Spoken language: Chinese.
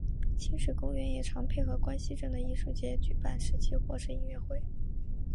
亲水公园也常配合关西镇的艺术节举办市集或是音乐会。